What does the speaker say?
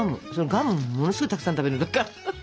ガムものすごいたくさん食べる時ある。